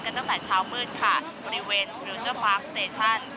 ตั้งแต่เช้ามืดค่ะบริเวณฟิลเจอร์ปาร์คสเตชั่น